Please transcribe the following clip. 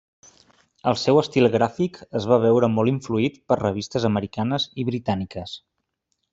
El seu estil gràfic es va veure molt influït per revistes americanes i britàniques.